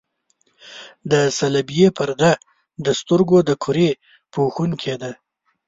د صلبیې پرده د سترګو د کرې پوښوونکې ده.